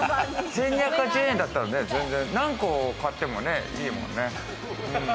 １２８０円だったらね、何個買ってもいいもんね。